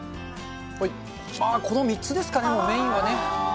はい、この３つですかね、もうメインはね。